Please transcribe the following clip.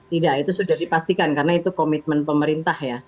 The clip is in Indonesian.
tidak itu sudah dipastikan karena itu komitmen pemerintah ya